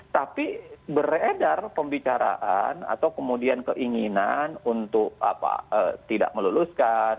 tapi beredar pembicaraan atau kemudian keinginan untuk tidak meluluskan